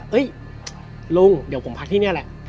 ลุงเดี๋ยวผมพักที่นี่แหละ